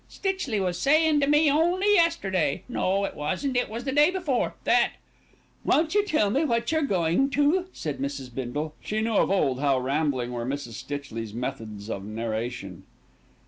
Stitchley was sayin' to me only yesterday, no it wasn't, it was the day before, that " "Won't you tell me what you were going to?" said Mrs. Bindle. She knew of old how rambling were Mrs. Stitchley's methods of narration.